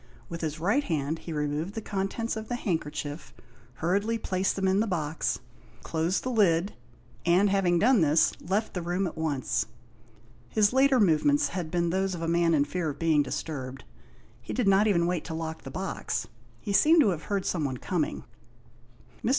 With his right hand he removed the contents of the handkerchief, hurriedly placed them in the box, closed the lid, and having done this, left the room at once. His later movements had been those of a man in fear of being disturbed. He did not even wait to lock the box. He seemed to have heard someone coming. Mr.